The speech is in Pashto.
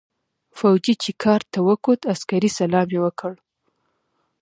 فوجي چې کارت ته وکوت عسکري سلام يې وکړ.